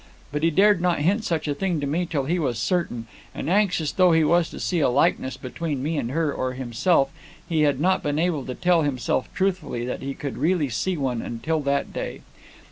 But he dared not hint such a thing to me till he was certain, and anxious though he was to see a likeness between me and her, or himself, he had not been able to tell himself, truthfully, that he could really see one, until that day.